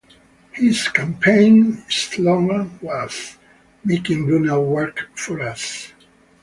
His campaign slogan was "Making Brunel work for us".